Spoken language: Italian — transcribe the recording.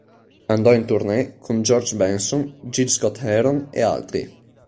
Andò in tournée con George Benson, Gil Scott-Heron e altri.